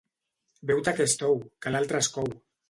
Beu-te aquest ou que l'altre es cou!